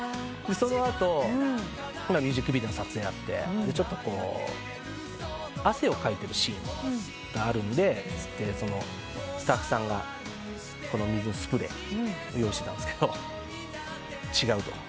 その後ミュージックビデオの撮影になって汗をかいてるシーンがあるんでスタッフさんがスプレー用意してたんですけど「違う。